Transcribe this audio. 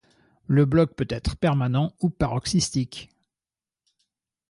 Le bloc peut être permanent ou paroxystique.